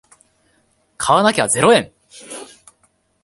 買わなきゃゼロ円